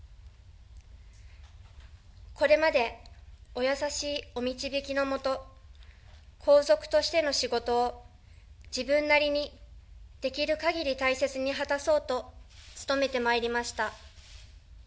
これまでお優しいお導きのもと、皇族としての仕事を自分なりにできるかぎり、大切に果たそうと努めてまいりました。